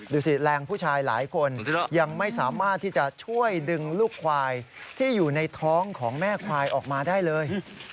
ดูสิแรงผู้ชายหลายคนยังไม่สามารถที่จะช่วยดึงลูกควายที่อยู่ในท้องของแม่ควายออกมาได้เลย